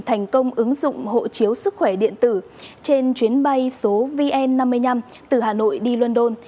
thành công ứng dụng hộ chiếu sức khỏe điện tử trên chuyến bay số vn năm mươi năm từ hà nội đi london